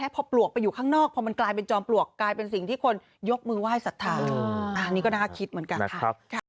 พอมันกลายเป็นจอมปลวกกลายเป็นสิ่งที่คนยกมือไหว้สัทธาอันนี้ก็น่าคิดเหมือนกันค่ะ